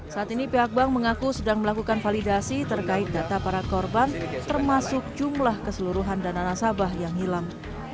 saat ini pihak bank mengaku sedang melakukan validasi terkait data para korban termasuk jumlah keseluruhan dana nasabah yang hilang